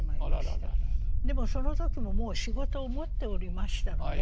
でもその時ももう仕事を持っておりましたので。